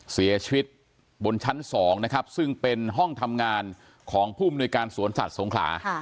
เสียชีวิตบนชั้น๒นะครับซึ่งเป็นห้องทำงานของผู้มนุยการสวนสัตว์สงขลา